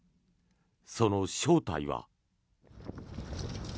その正体は。